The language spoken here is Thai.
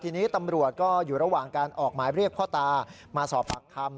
ทีนี้ตำรวจก็อยู่ระหว่างการออกหมายเรียกพ่อตามาสอบปากคำ